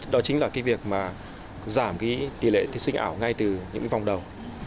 đó chính là cái việc mà giảm cái tỷ lệ thí sinh ảo ngay từ những cái vòng đầu